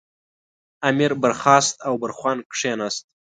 امیر برخاست او برخوان کېناست.